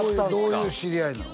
どういう知り合いなの？